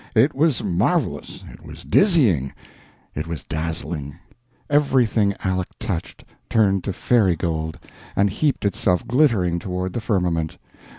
It was marvelous, it was dizzying, it was dazzling. Everything Aleck touched turned to fairy gold, and heaped itself glittering toward the firmament.